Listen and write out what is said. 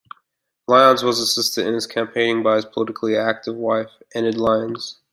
Lyons was assisted in his campaigning by his politically active wife, Enid Lyons.